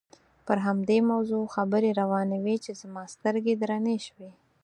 پر همدې موضوع خبرې روانې وې چې زما سترګې درنې شوې.